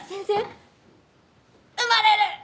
生まれる！